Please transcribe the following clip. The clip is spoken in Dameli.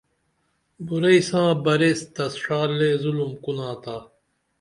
برئی ساں بریس تسہ ڜا لے ظُلُم کُنا تا